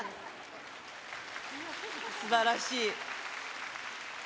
すばらしい。